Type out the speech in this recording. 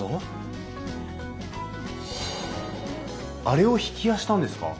あれを曳家したんですか！？